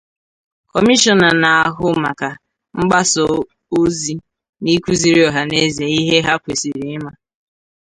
Kọmishọna na-ahụ maka mgbasa osi na ịkụziri ọhaneze ihe ha kwèsiri ịma